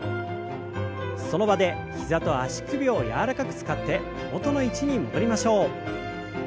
その場で膝と足首を柔らかく使って元の位置に戻りましょう。